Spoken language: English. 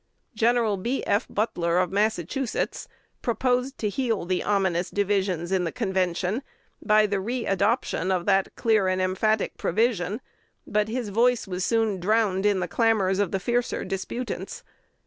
Gen. B. F. Butler of Massachusetts proposed to heal the ominous divisions in the Convention by the re adoption of that clear and emphatic provision; but his voice was soon drowned in the clamors of the fiercer disputants.